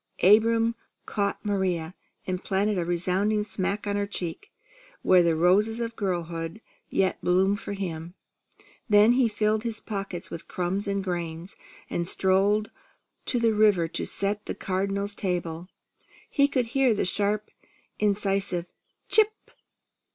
Abram caught Maria, and planted a resounding smack on her cheek, where the roses of girlhood yet bloomed for him. Then he filled his pockets with crumbs and grain, and strolled to the river to set the Cardinal's table. He could hear the sharp incisive "Chip!"